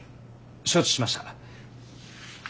承知しました。